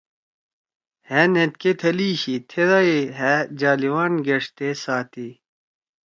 ہأ نھید کے تھلی شی تھیدا ئی ہأ جالیوان گیݜتے ساتی۔“